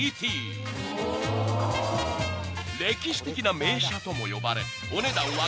［歴史的な名車とも呼ばれお値段は］